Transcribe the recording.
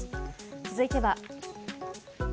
続いては。